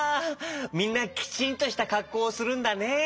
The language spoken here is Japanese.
みんなきちんとしたかっこうをするんだね。